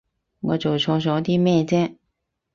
我做錯咗啲咩啫？